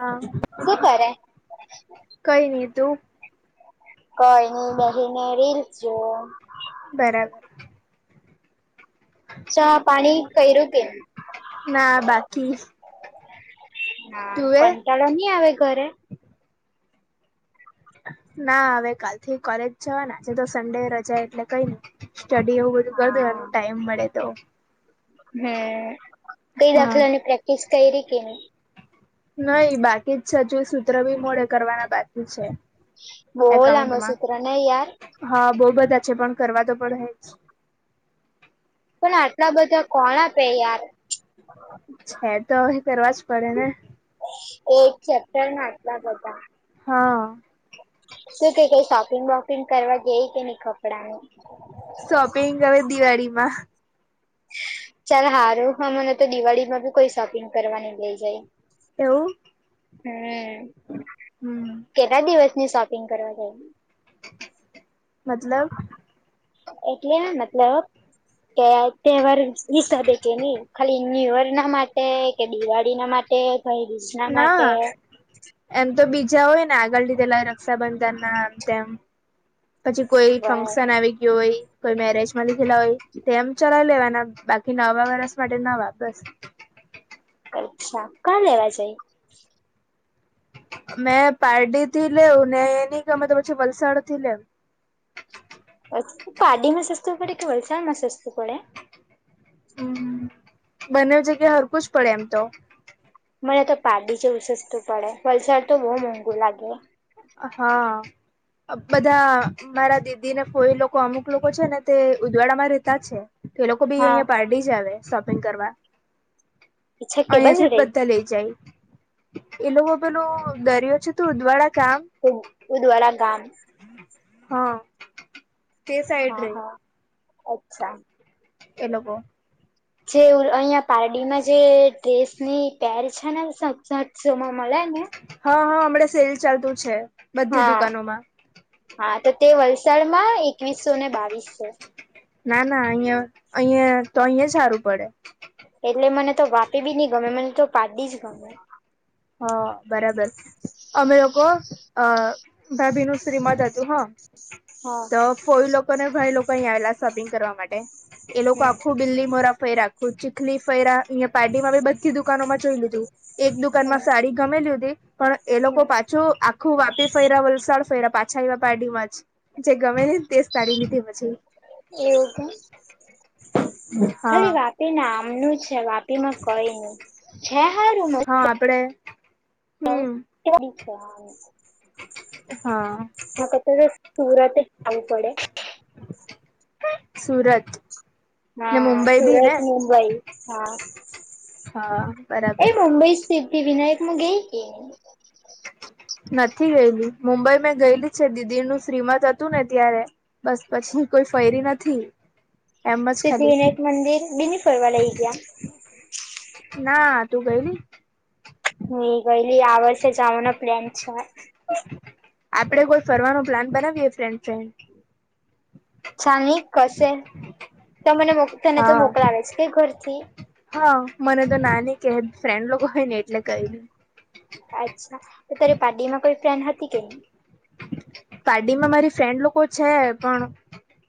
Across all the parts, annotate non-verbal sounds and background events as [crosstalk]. હા શું કરે? કઈ નહી તું કંઈ ની બેહીને રિલ્સ જોવો. બરાબર. ચા પાણી કયરું કે? ના બાકી. હા. તું એ કંટાળો ની આવે ઘરે? ના હવે કાલથી કોલેજ જવાના, આજે તો સન્ડે રજા એટલે કંઈ નહીં. સ્ટડી એવું બધું કર દેવાનું ટાઈમ મળે તો. હે. ત હા દાખલાની પ્રેક્ટિસ કયરી કે નહીં? નહીં બાકી જ છે હજુ સૂત્ર બી મોડે કરવાના બાકી છે. બોવ લાંબા એકાઉન્ટમાં સૂત્ર, નહીં યાર? હા બોવ બધા છે, પણ કરવા તો પડે હેજ. પણ આટલા બધા કોણ આપે યાર? છે તો હવે કરવા જ પડે ને. એ એક ચેપ્ટર ના આટલા બધા. હા. શું કહે કંઈ શોપિંગ વોપિંગ કરવા ગઈ કે નહીં કપડાંની? શોપિંગ હવે દિવાળીમાં. ચલ હારું હો, મને તો દિવાળી માં બી કોઈ શોપિંગ કરવા ની લઇ જાય. એવું? હમ્મ. હમ્મ. કેટલા દિવસની શોપિંગ કરવા ગયેલી? મતલબ? એટલે મતલબ કે તહેવાર [unintelligible] ખાલી ન્યુ યરના માટે, કે દિવાળીના માટે કંઈ [unintelligible] માટે ના એમ તો બીજા હોય ને આગળ લીધેલા રક્ષાબંધન ના આમ તેમ. પછી કોઈ ફંક્શન આવી ગયું હોય કોઈ મેરેજ માં લીધેલા હોય, તેમ ચલાવી લેવાના, બાકી નવા વરસ માટે નવા [unintelligible] અચ્છા. કાં લેવા જાઈ? મેં પારડી થી લેવ, ને એ ની ગમે તો પછી વલસાડ થી લેવ. [unintelligible] પારડીમાં સસ્તું પડે કે વલસાડમાં સસ્તું પડે? હમ્મ-હમ્મ. બંનેવ જગ્યાએ હરખું જ પડે એમ તો. મને તો પારડી જેવું સસ્તું પડે. વલસાડ તો બહુ મોંઘુ લાગે. હા. અહ બધા મારા દીદી, ને ફોઈ લોકો અમુક લોકો છે ને તે ઉદવાડા માં રહેતા છે. તો એ લોકો બી હા અહિયાં પારડી જ આવે શોપિંગ કરવા. અચ્છા કે બાજુ અહિયાંથી જ રહી બધા લઇ જાય. એ લોકો પેલો દરિયો છે તો ઉદવાડા ગામ- ઓહો! ઉદવારા ગામ. હા. તે સાઈડ હા રે હા અચ્છા. એ લોકો જે અહિયાં પારડીમાં જે ડ્રેસ ની પેર છે ને સાત સાતસોમાં મળે ને હા હા હમણાં સેલ ચાલતું છે બધી હા દુકાનો માં. હા તો તે વલસાડમાં એકવીસસો ને બાવીસસો. ના ના અયા અહિયાં તો અહીંયા જ હારું પડે. એટલે મને તો વાપી બી ની ગમે મને તો પારડી જ ગમે. હા બરાબર. અમે લોકો અ ભાભી નું શ્રીમત હતું હા. હા તો ફોઈ લોકો ને ભાઈ લોકો અહીંયા આવેલા શોપિંગ કરવા માટે. એ લોકો હમ આખું બીલીમોરા ફયરા. તો ચીખલી ફયરા પારડી માં બી બધી દુકાનોમાં જોઈ લીધું એક હમ દુકાનમાં સાડી ગમેલી હુતી પણ એ હમ લોકો પાછું આખું વાપી ફયરા, વલસાડ ફયરા પાછા આયવા પારડીમાં જ જે ગમેલી ને તે જ સાડી લીધી પછી એવું કે ખાલી હા વાપી નામનું છે વાપી માં કઈ નહી છે હારું મ આપણે તો કે છે આમ હા. એના કરતા તે સુરત જ હારુ પડે. સુરત ને હા મુંબઈ બી સુરત ને મુુંબઈ હા. હા બરા એ મુંબઈ સિદ્ધિવિનાયક માં ગઈ કે ની? નથી ગય હજુ મુંબઈ મેં ગયેલી છે દીદી નું શ્રીમત હતું ને ત્યારે. બસ પછી કોઈ ફયરી નથી. એમ જ ખાલી સિદ્ધિવિનાયક મંદિર બી ની ફરવા લઈ ગયા. ના તું ગયલી? ની ગયલી આ વર્ષે જાવાનો પ્લેન છે. આપડે કોઈ ફરવાનો પ્લાન બનાવીએ ફ્રેન્ડ ફ્રેન્ડ. ચાલની કશે તમે તો તને તો હા મોકલાવે જ કે ઘરથી. હા મને તો ના ની કેય ફ્રેન્ડ લોકો હોય ને એટલે કઈ ની. અચ્છા તો તારી પારડી માં કોઈ ફ્રેન્ડ હતી કે નહી? પારડી માં મારી ફ્રેન્ડ લોકો છે પણ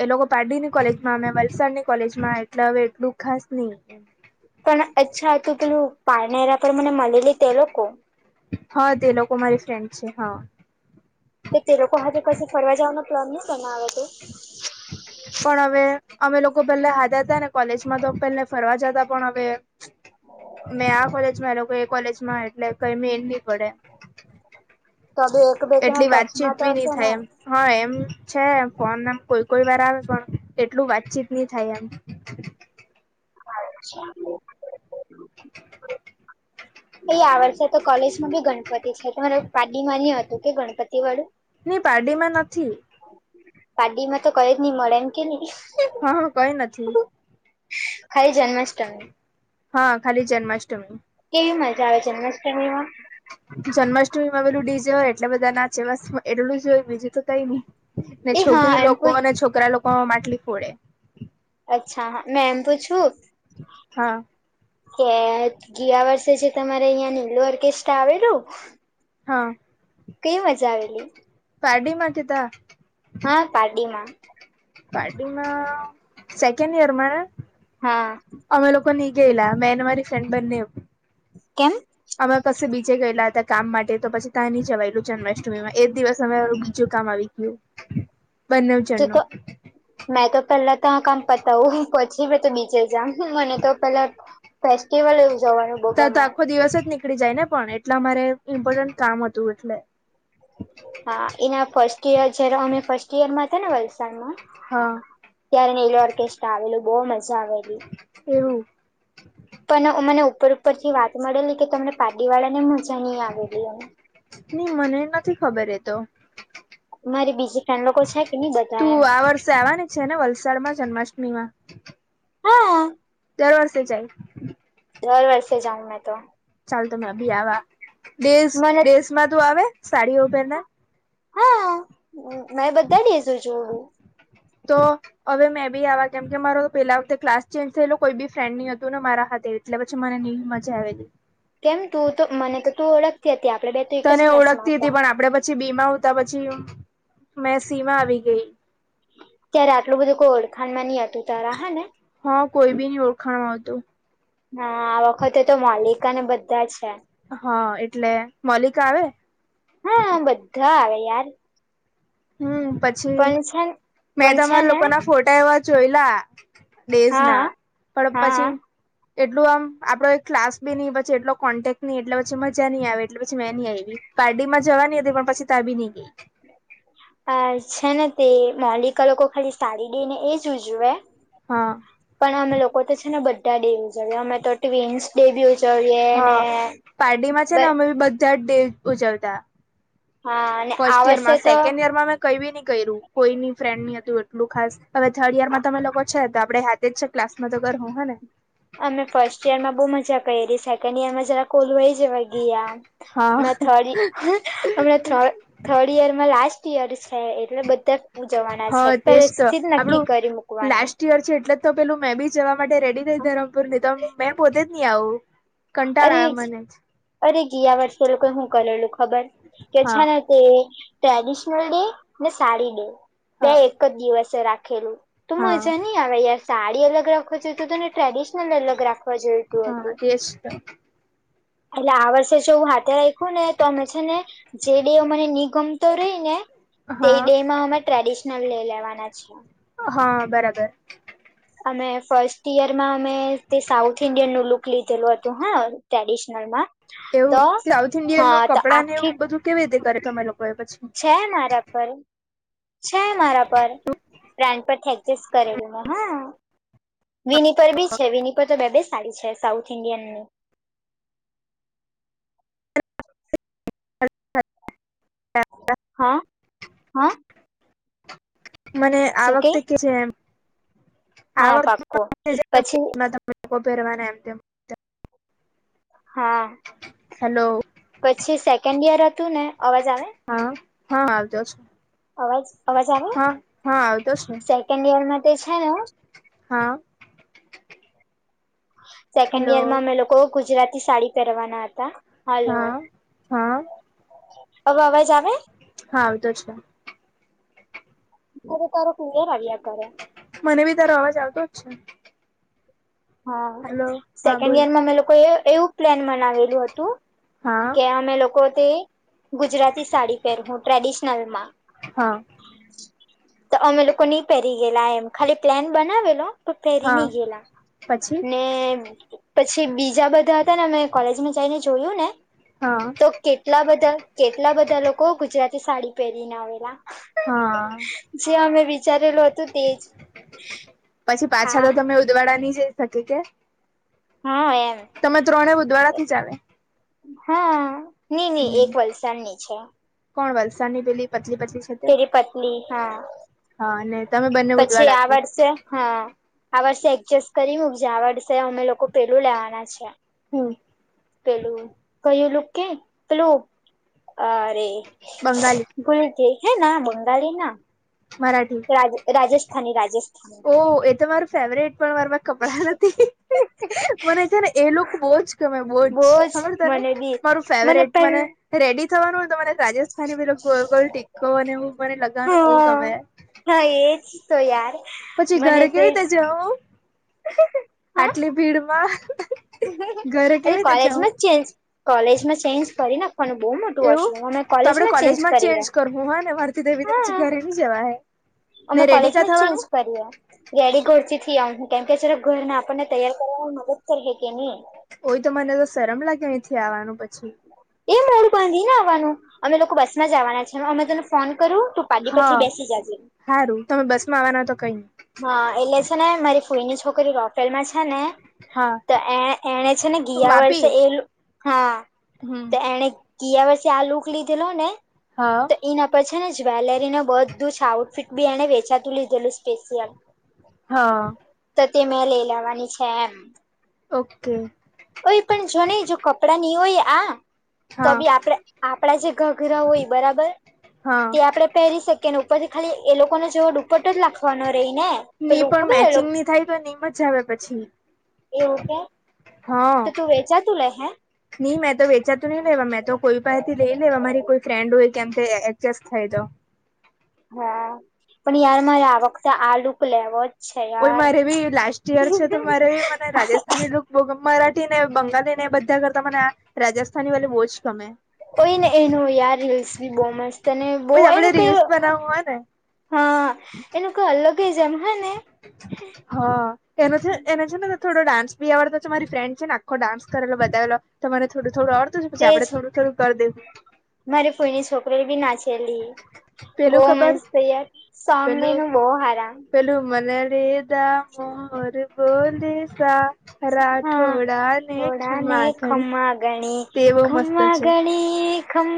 એ લોકો પારડીની કોલેજમાં મે વલસાડની કોલેજમાં એટલે હવે એટલું ખાસ ની. પણ અચ્છા તું પેલું પારનેરા પર મને મળલી તે લોકો હા તે લોકો મારી ફ્રેન્ડ છે હા. કે તે લોકો હાથે કસે ફરવા જવાનો પ્લાન ની બનાવે તું? પણ હવે અમે લોકો પહેલા હાથે હતા ને કોલેજમાં તો પેલા ફરવા જતા પણ હવે મેં આ કોલેજમાં એ લોકો એ કોલેજ માં એટલે કઈ મેળ ની પડે. તો બી એક બે જણા એટલી ટચમાં વાતચીત તો બી ની હશે ને થાય એમ. હા એમ છે ફોન આમ કોઈ કોઈ વાર આવે પણ એટલું વાતચીત ની થાય આમ. [unintelligible] એ આ વષે તો કોલેજ માં બી ગણપતિ છે તારું પારડી મા ની હતું કે ગણપતિ વાળું. ની પારડી માં નથી. પાારડીમાં તો કય જ ની મળે એમ કેની હા કઈ નથી ખાલી જન્માષ્ટમી હા ખાલી જન્માષ્ટમી કેવી મજા આવે જન્માષ્ટમીમાં જન્માષ્ટમીમાં પેલું ડી જેે હોય એટલે બધા નાચે બસ એટલું જ હોય બીજું તો કઈ નઈ ને એ હા છોકરી એમ લોકો પૂછ અને છોકરા લોકો માટલી ફોડે. અચ્છા હા મેં એમ પૂછું હા કે ગીયા વર્ષે જે તમારે અહંયા નીલું ઓર્કેસ્ટ્રા આવેલું હા કેવી મજા આવેલી પારડી માં કે તા હા પારડીમાં પારડી માં સેકન્ડ યર માં ને હા અમે લોકો ની ગેલા મે ને મારી ફ્રેન્ડ બનેવ કેમ અમે કશે બીજે ગયેલા હતા કામ માટે તો પછી ત્યાં ની જવાયેલું જન્માષ્ટમીમાં એજ દિવસ અમે બીજુ કામ આવી ગયું. [inaudible] બંનેવ તું તો જણનું મેં તો પેલા તા કામ પતાવું પછી મે તો બીજે જામ મને તો પેલા ફેસ્ટિવલ ઉજવાનું બો ત્યાં તો ગમે. આખો દિવસ જ નીકડી જાય ને પણ એટલે અમારે ઇમ્પોર્ટન્ટ કામ હતું એટલે હા એના ફર્સ્ટ યર જ્યારે અમે ફર્સ્ટ યર માં હતા ને વલસાડમાં હા ત્યારે નીલુ ઓર્કેસ્ટ્રા આવેલું બહુ મજા આવેલી. એવું પણ અમને ઉપર ઉપર થી વાત મળેલી કે તમને પારડી વાળા ને મજા નહી આવેલી એમ ની મને નથી ખબર એતો મારી બીજી ફ્રેડ લોકો છે કે નઈ બધા એમ. તું આ વર્ષે આવાની છે ને વલસાડમાં જન્માષ્ટમીમાં હા. દર વર્ષે જાય. દર વર્ષે જાઉ મેં તો. ચાલ તો મેબી આવા દેસ મને દેસ માં તું આવે સાડીઓ પેરને હા મેં બધા ડેઝ ઉજવુ. તો હવે મેં બી આવા કેમ કે મારો પેલા વખતે ક્લાસ ચેન્જ થયેલો કોઈ બી ફ્રેન્ડ ની હતું ને મારા હાથે એટલે પછી મને ની મજા આવેલી. કેમ તું તો મને તો તું ઓળખતી હતી આપણે બે તો એક જ તને ક્લાસમાં ઓળખતી હતી હતા. પણ આપડે પછી બી માં ઉતા પછી મેં સી માં આવી ગેઈ. ત્યારે આટલું બધું કોઈ ઓળખાણમાં ની હતું તારા હે ને. હા કોઈ બી ની ઓળખાણ હતું. હાં આ વખતે તો મોલિકાને બધા છે. હા એટલે મોલિકા આવે? હાં બધા આવે યાર. હમ્મ પછી પણ છે મેં પણ છે તમારા ને લોકોના ફોટા એવા જોયલા ડેઝના હા પણ પછી હા એટલું આમ આપડો એક ક્લાસ બી ની બચે એટલો કોન્ટેક્ટ ની એટલે પછી મજા ની આવે એટલે પછી મેં ની આયવી. પારડીમાં જવાની અતી પણ પછી તાં બી ની ગેઈ. હ [inaudible] આ છે ને તે મોલિકા લોકો ખાલી સાડી ડે ને એજ ઉજવે. હાં. પણ અમે લોકો તો છે ને બધા ડે ઉજવીએ અમે તો ટ્વિન્સ ડે બી ઉજવીએ ને થર્ડ ડે ઉજવતા હા અને આ ફર્સ્ટ યર વર્ષે માં તો સેકન્ડ યર માં મેં કંઈ બી ની કયરુ કોઈ ની ફ્રેન્ડ ની હતું એટલું ખાસ હવે થર્ડ યર માં તમે લોકો છે તો આપડે હાથ [unintelligible] છે તો ક્લાસ માં તો કરહુ હેં ને. અમે ફર્સ્ટ યર માં બોવ મજા કયરી સેકન્ડ યર માં જરાક ઓલવાઈ જેવા ગીયા. મેં હા થડી અમણે થડ થર્ડ યર માં લાસ્ટ યર છે એટલે બધા ઉજવાના છે હા તેજ પેલે તો સ્થી જ નક્કી આપડું કરી મૂકવાના. [unintelligible] છે એટલે જ તો પેલું મે બી જવા માટે રેડી રેઈ ધરમપુર ની તો મેં પોતે જ ની આવું. કંટાળ અરે આવે મને જ અરે ગીયા વર્ષે એ લોકોએ હું કરેલું ખબર કે હા છે ને તે ટ્રેડિશનલ ડે ને સાડી ડે બે હા એક જ દિવસે રાખેલું. તો હા મજા ની આવે યાર સાડી અલગ રાખવા જોઈતું તું ને ટ્રેડિશનલ અલગ રાખવા જોઈતું અતું. એજ તો. એટલે આ વર્ષે જો હું હાથે રાયખું ને તો અમે છે ને જે ડે મને ની ગમતો રેય ને તો તે હા ડે માં અમે ટ્રેડિશનલ લેય લેવાના છીએ. હાં બરાબર. અમે ફર્સ્ટ યરમાં અમે તે સાઉથ ઈન્ડિયનનું લુક લીધેલું હતું હાં ટ્રેડિશનલમાં એવું તો સાઉથ ઈન્ડિયનનું હા તો કપડાં ને એવું આખી બધું કેવી રીતે કરે તમે લોકો એ પછી છે મારા પર છે મારા પર ફ્રેન્ડ પરથી એડજસ્ટ કરેલુ મેં હા. વિની પર બી છે વિની પર તો બે બે સાડી છે સાઉથ ઇન્ડિયનની. [unintelligible] હાં મને આ વખતે કે જે એમ હા આ પાક્કો પછી [unintelligible] હા હેલો પછી સેકન્ડ યર અતું ને અવાજ આવે હાં હા આવતો છે અવાજ અવાજ આવે હા હા આવતો છે સેકન્ડ યરમાં માટે છે ને હાં સેકન્ડ હલો યરમાં અમે લોકો ગુજરાતી સાડી પેરવાના અતા હલો હા હા અવે અવાજ આવે? હાં આવતો છે. [unintelligible] મને બી તારો અવાજ આવતો જ છે. હા હેલો હા સેકન્ડ બોલ યર માં અમે લોકો એ એવું પ્લાન બનાવેલું હતું હા કે અમે લોકો તે ગુજરાતી સાડી પેરહું ટ્રેડિશનલમાં હા તો અમે લોકો ની પહેરી ગયેલા એમ ખાલી પ્લેન બનાવેલો પણ પહેરી હા ની ગેલા પછી ને પછી બીજા બધા હતા ને અમે કોલેજમાં જઈને જોયું ને હા તો કેટલા બધા કેટલા બધા લોકો ગુજરાતી સાડી પહેરીને આવેલા. હા જે અમે વી વિચારેલું હતું તેજ આ ઉદવાડાની જે થતી કે હા એમ તમે ત્રણે ઉદવાડાથી જ આવે. હા ની ની હમ એક વલસાડની છે. કોણ વલસાડની પેલી પતલી પતલી છે તે તેરી પતલી હા હા ને તમે બંને પછી ઉદવાડા આ થી વર્ષે હા આ વર્ષે એડજસ્ટ કરી મૂકજે આ વર્ષે અમે લોકો પેલું લેવાના છે. હું પેલું કયું લુક કેય પેલૂ અરે બંગાળી ભૂલી જ ગેય હે ના બંગાળી ના મરાઠી રાજ રાજસ્થાની રાજસ્થાની ઓહ એ તો માર ફેવરેટ પણ માર પા કપડાં નથી મને છે ને એ લુક બોજ જ ગમે બોજ ખબર તને મને બી મારું ફેવરેટ મને પણ રેડી થવાનું હોય ને તો મને રાજસ્થાની પેલું ગોલ ગોલ ટીકો અને એવું મને લગાવવાનું બૌ હા ગમે. હા એ જ તો યાર પછી મને ઘરે તો કેવી એજ રીતે જઉં હા આટલી ભીડ માં અરે કોલેજમાં જ ચેન્જ કોલેજમાં ચેન્જ કરી નાખવાનું બો મોટું એવું વોશરૂમ અમે તો આપડે કોલેજમાં ચેન્જ કરહું ને મારાથી તો એવી રીતે પછી હા ઘરે ની જવાય અમે કોલેજમાં જ ચેન્જ કરીએ. રેડી ઘર થી થિયાવહુ કેમ કે છેને ઘરના આપને તૈયાર કરવામાં મદદ કરહે કેની ઓય તો મને તો શરમ લાગે અહીથી આવવાનું પછી એ મોડું બાંધી ને આવાનું અમે લોકો બસમાં જ આવાના છે અમે તને ફોન કરુ તું પારડી હા પરથી બેસી જાજે. હારું તમે બસ માં આવાના તો કઈ ની હા એટલે છે ને મારી ફૂઈની છોકરી રોફેલમાં છે ને તો હા એ એને છે ને ગીયા વર્ષે વાપી એ હા હમ તો એને ગીયા વર્ષે આલુક લીધેલો ને હા તો એના પર છે ને જ્વેલરીને બધું છે આઉટફિટ બી એને વેચાતું લીધેલું સ્પેશિયલ હા તો તે મેં લઈ લેવાની છે એમ. ઓકે ઓય પણ જો ની જો કપડાં ની હોય આ તો હા બી આપડે આપડા જે ઘાઘરા હોય બરાબર હા તે આપડે પેરી સકીએ ને ઉપરથી ખાલી એ લોકોનો જેવો દુપટ્ટો જ લાખવાનો રેય ને ની પેલું પણ ખબર એ મેચિંગ લોકો ની થાય તો ની મજા આવે પછી એવું કે હમ્મ. તો તું વેચાતું લે હે ની મેં તો વેચાતું ની લેવા મેં તો કોઈ પાંહેથી લેઈ લેવા મારી કોઈ ફ્રેન્ડ હોય કેમ એડજસ્ટ થાય તો હા પણ યાર મારે આ વખતે આ લુક લેવો જ છે ઓય યાર મારે બી લાસ્ટ યર છે તો મારે મને રાજસ્ થાની લુક બો ગ મરાઠી ને બંગાલી ને એ બધા કરતા મને આ રાજસ્થાની વાલી બો જ ગમે હોય ને એનું યાર રીલ્સ બી બો મસ્ત અને બો ઓય આપડે એનું કઈ રીલ્સ બનાવવું હોય ને હાં એનું કંઈ અલગ જ એમ હેં ને હા એનો છે એનો છે ને થોડો ડાન્સ બી આવડતો છે મારી ફ્રેન્ડ છે ને આખો ડાન્સ કરેલો બતાવેલો તો મને થડું થોડું આવડ તુ પછી તેજ આપડે થોડું થોડું કર દે મારી ફોઈની સોકરી બી નાચેલી બો પેલું ખબર મસ્ત થઈ જાય સોંગ પેલું એનું બો હારા પેલું મને ર [unintelligible] [unintelligible] મોરે બોલે સા હાં રાઠોડા ને થોડાને ખમા ઘણી ખમ્મા ઘણી તે બહુ મસ્ત ખમ્મા છે. ઘણી ખમ્મ